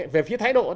về phía thái độ